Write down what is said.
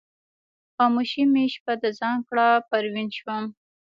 خاموشي مې شپه د ځان کړله پروین شوم